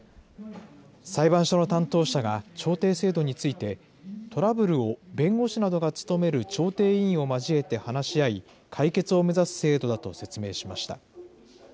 裁判所の担当者が調停制度について、トラブルを弁護士などが務める調停委員を交えて話し合い、解決を目指す制度だと説明しました。